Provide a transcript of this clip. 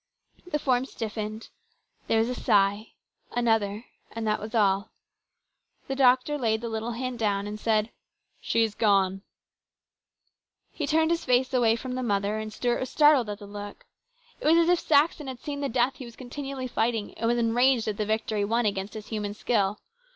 The form stiffened, there was a sigh, another, and that was all. The doctor laid the little hand down and said, " She is gone." He turned his face away from the mother, and Stuart was startled at the look. It was as if Saxon had seen the death he was continually fighting, and was enraged at the victory won against his human skill.